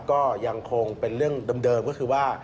ก็ยังคงเป็นเรื่องเดิมก็คือว่า